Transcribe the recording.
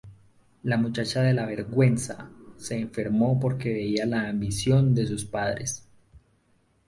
La muchacha de la vergüenza se enfermó porque veía la ambición de sus padres.